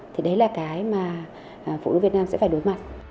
thì đấy là cái mà phụ nữ việt nam sẽ phải đối mặt